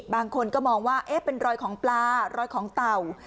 บางคนก็มองว่าเป็นรอยของปลารอยของเต่า